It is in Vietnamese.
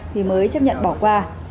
thì mới chấp nhận bỏ qua